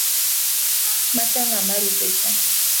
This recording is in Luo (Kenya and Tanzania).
Macha ng’a maritecha